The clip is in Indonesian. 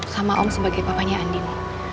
sama om sebagai papanya andin